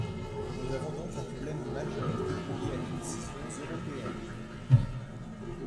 Nous avons donc un problème majeur, lié à des décisions européennes.